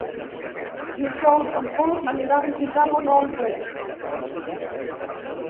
Dijous en Pol anirà a visitar mon oncle.